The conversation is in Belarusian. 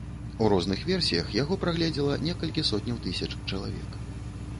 У розных версіях яго прагледзела некалькі сотняў тысяч чалавек.